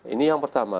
ini yang pertama